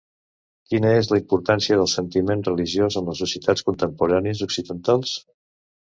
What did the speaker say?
Quina és la importància del sentiment religiós en les societats contemporànies occidentals?